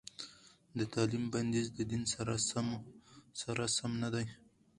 د تعليم بندیز د دین سره سم نه دی.